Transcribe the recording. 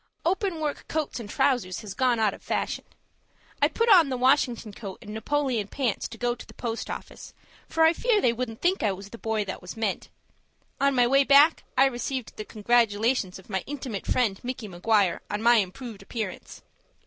Openwork coats and trowsers has gone out of fashion. I put on the Washington coat and Napoleon pants to go to the post office, for fear they wouldn't think I was the boy that was meant. On my way back I received the congratulations of my intimate friend, Micky Maguire, on my improved appearance.